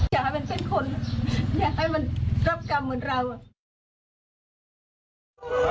อยากให้เป็นเส้นคนอยากให้มันรับกรรมเหมือนเราอ่ะ